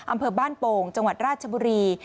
อำเภอบ้านโป่งจังหวัดราชบุรี